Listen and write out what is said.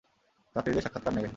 যাত্রীদের সাক্ষাৎকার নেবে।